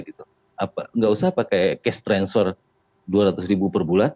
gak usah pakai cash transfer dua ratus ribu per bulan